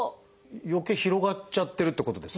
よけい広がっちゃってるってことですか？